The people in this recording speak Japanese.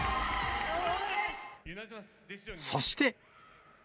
そして。